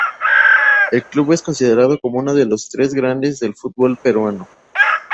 El club es considerado como uno de los tres grandes del fútbol peruano.